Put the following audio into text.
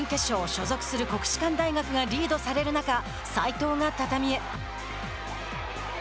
所属する国士舘大学がリードされる中斉藤が畳へ。